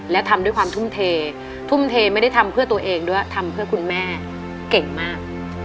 และทำด้วยความทุ่มเททุ่มเทไม่ได้ทำเพื่อตัวเองด้วยทำเพื่อคุณแม่เก่งมาก